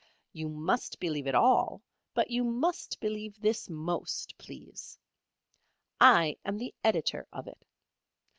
You must believe it all, but you must believe this most, please. I am the Editor of it.